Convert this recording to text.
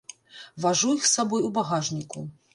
Важу іх з сабой у багажніку.